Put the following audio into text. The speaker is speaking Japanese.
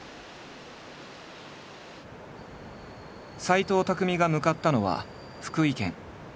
斎藤工が向かったのは福井県。